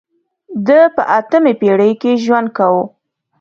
ده په اتمې پېړۍ کې ژوند کاوه.